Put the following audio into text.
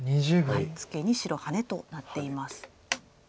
ツケに白ハネとなっています。